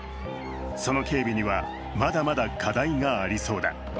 その警備にはまだまだ課題がありそうだ。